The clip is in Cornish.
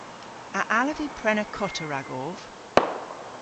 A allav vy prena kota ragov?